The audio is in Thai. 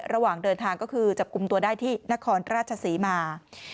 ระหว่างเดินทางก็คือจับกลุ่มตัวได้ที่นครราชศรีมา